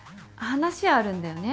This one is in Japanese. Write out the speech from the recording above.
話あるんだよね？